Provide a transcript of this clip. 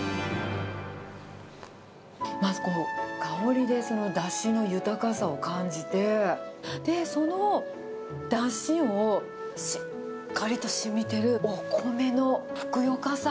まずこの香りでだしの豊かさを感じて、で、そのだしをしっかりとしみてるお米のふくよかさ。